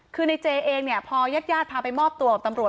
คือในเจเองเนี่ยพอญาติญาติพาไปมอบตัวกับตำรวจ